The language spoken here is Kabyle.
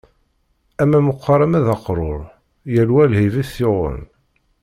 Ama meqqer ama d aqrur, yal wa lɛib i t-yuɣen.